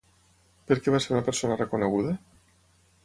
Per què va ser una persona reconeguda?